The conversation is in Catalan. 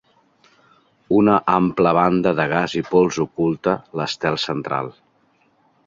Una ampla banda de gas i pols oculta l'estel central.